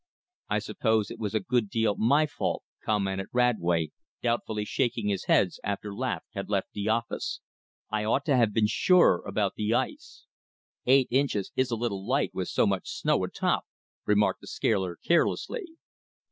"I suppose it was a good deal my fault," commented Radway, doubtfully shaking his head, after Laveque had left the office. "I ought to have been surer about the ice." "Eight inches is a little light, with so much snow atop," remarked the scaler carelessly.